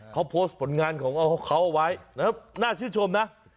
เขาโพสต์ผลงานของเขาเอาไว้นะครับน่าชื่นชมนะ